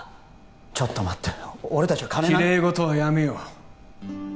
ちょっと待って俺たちは金なきれいごとはやめよう